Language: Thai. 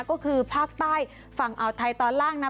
ก็คือภาคใต้ฝั่งอ่าวไทยตอนล่างนะ